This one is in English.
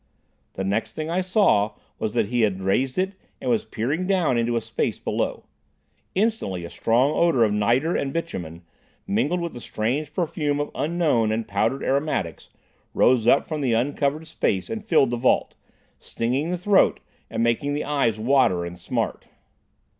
The next thing I saw was that he had raised it and was peering down into a space below. Instantly, a strong odour of nitre and bitumen, mingled with the strange perfume of unknown and powdered aromatics, rose up from the uncovered space and filled the vault, stinging the throat and making the eyes water and smart.